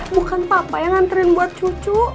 bukan papa yang nganterin buat cucu